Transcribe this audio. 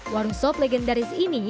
warung sop legendaris ini